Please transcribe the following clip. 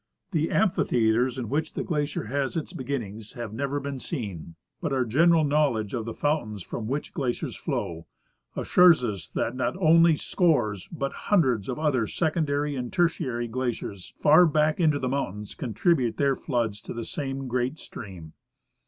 The amphitheatres in which the glacier has 100 I. a Russell— Expedition to Mount St. Elias. its beginnings have never been seen ; but our general knowledge of the fountains from which glaciers flow assures us that not only scores but hundreds of other secondary and tertiary glaciers far back into the mountains contribute their floods to the same great stream.